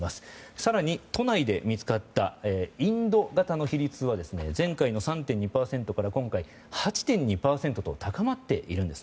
更に、都内で見つかったインド型の比率は前回の３．２％から今回、８．２％と高まっているんです。